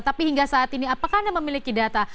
tapi hingga saat ini apakah anda memiliki data